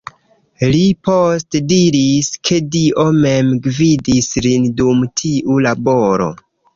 Li poste diris, ke Dio mem gvidis lin dum tiu laboro.